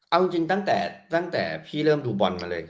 เอาจริงตั้งแต่พี่เริ่มดูบอลมาเลย